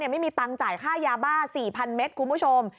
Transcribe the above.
ไม่มีตังค์จ่ายค่ายาบ้า๔๐๐เมตรคุณผู้ชม